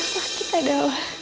yang sakit adalah